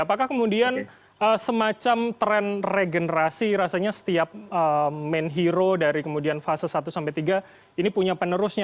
apakah kemudian semacam tren regenerasi rasanya setiap main hero dari kemudian fase satu sampai tiga ini punya penerusnya